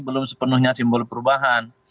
belum sepenuhnya simbol perubahan